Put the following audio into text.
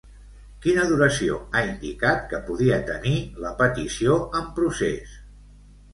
Quina duració ha indicat que podia tenir la petició en procés?